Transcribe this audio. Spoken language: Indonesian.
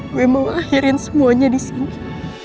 gue mau akhirin semuanya disini